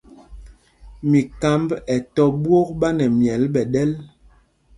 Mikámb ɛ tɔ̄ ɓwôk ɓá nɛ myɛl ɓɛ̌ ɗɛ́l.